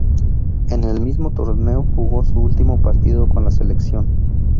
En el mismo torneo jugó su último partido con la selección.